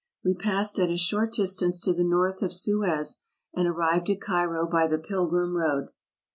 We passed at a short distance to the north of Suez, and arrived at Cairo by the pilgrim road.